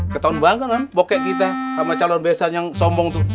ketauan banget kan bokek kita sama calon besan yang sombong tuh